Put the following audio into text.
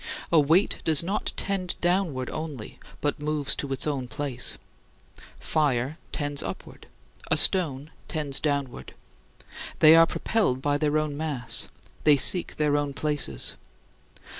A weight does not tend downward only, but moves to its own place. Fire tends upward; a stone tends downward. They are propelled by their own mass; they seek their own places.